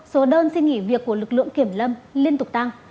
số đơn xin nghỉ việc của lực lượng kiểm lâm liên tục tăng